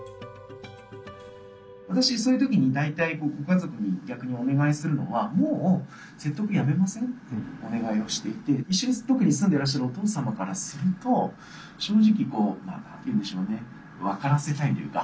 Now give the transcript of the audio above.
私そういう時に大体ご家族に逆にお願いするのは「もう説得やめません？」というお願いをしていて一緒に特に住んでらっしゃるお父様からすると正直何て言うんでしょうね分からせたいというか。